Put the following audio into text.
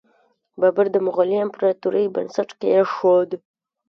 بابر د مغولي امپراتورۍ بنسټ کیښود.